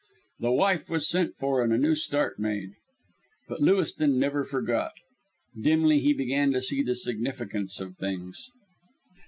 The wife was sent for and a new start made. But Lewiston never forgot. Dimly he began to see the significance of things.